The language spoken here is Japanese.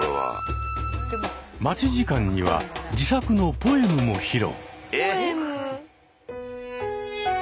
待ち時間には自作のポエムも披露。